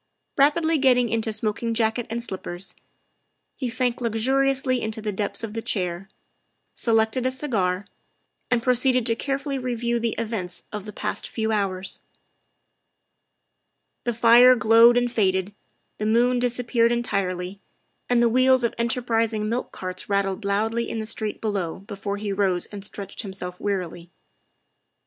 Rapidly getting into smoking jacket and slippers, he sank luxuriously into the depths of the chair, selected a cigar, and proceeded to carefully review the events of the past few hours. The fire glowed and faded, the moon disappeared en tirely, and the wheels of enterprising milk carts rat tled loudly in the street below before he rose and stretched himself wearily.